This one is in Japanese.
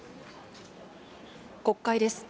国会です。